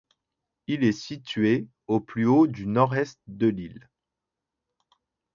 Il est situé au plus haut du nord-est de l'île.